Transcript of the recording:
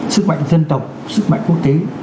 sức mạnh dân tộc sức mạnh quốc tế